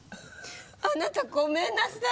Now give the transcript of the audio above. あなたごめんなさい。